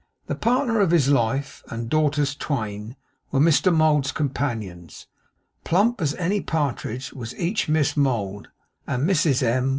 The partner of his life, and daughters twain, were Mr Mould's companions. Plump as any partridge was each Miss Mould, and Mrs M.